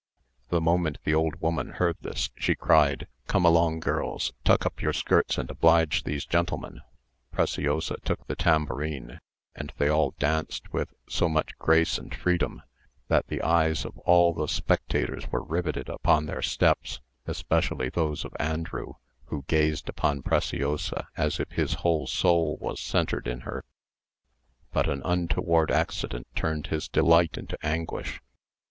The moment the old woman heard this she cried, "Come along, girls: tuck up your skirts, and oblige these gentlemen." Preciosa took the tambourine, and they all danced with so much grace and freedom, that the eyes of all the spectators were riveted upon their steps, especially those of Andrew, who gazed upon Preciosa as if his whole soul was centred in her; but an untoward accident turned his delight into anguish.